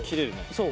そう。